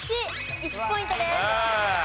１ポイントです。